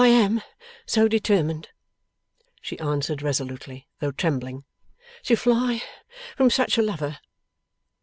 'I am so determined,' she answered resolutely, though trembling, 'to fly from such a lover.